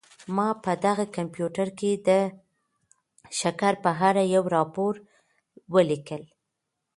ما په دغه کمپیوټر کي د شکر په اړه یو راپور ولیکلی.